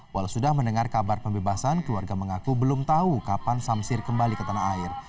walau sudah mendengar kabar pembebasan keluarga mengaku belum tahu kapan samsir kembali ke tanah air